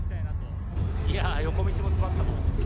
いやー、横道も詰まったぞ。